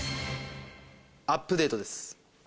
アップデートです。